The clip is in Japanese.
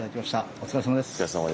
お疲れさまです。